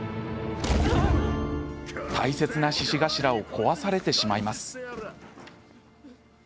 大切な獅子頭を壊されてしまいます。